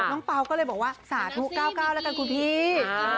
เปล่าก็เลยบอกว่าสาธุ๙๙แล้วกันคุณพี่